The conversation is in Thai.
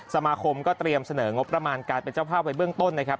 สมาคมก็เตรียมเสนองบประมาณการเป็นเจ้าภาพไว้เบื้องต้นนะครับ